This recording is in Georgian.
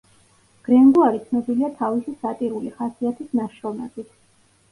გრენგუარი ცნობილია თავისი სატირული ხასიათის ნაშრომებით.